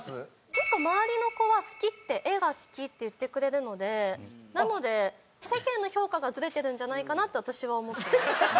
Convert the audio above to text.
結構周りの子は好きって絵が好きって言ってくれるのでなので世間の評価がズレてるんじゃないかなって私は思ってます。